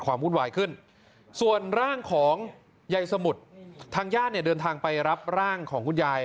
พอผมจะคุยแจ๊กก็เดินหนีอย่างนี้นะครับ